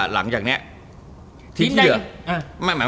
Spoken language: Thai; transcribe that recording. หลังจากนี้